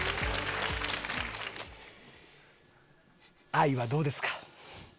愛はどうですか？